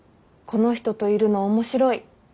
この人といるの面白い。